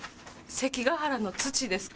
「関ヶ原の土ですか？」